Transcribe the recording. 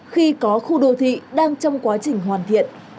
khi có khu đô thị đang trong quá trình hoàn thiện